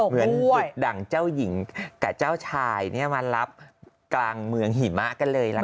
เหมือนเด็กดั่งเจ้าหญิงกับเจ้าชายมารับกลางเมืองหิมะกันเลยล่ะค่ะ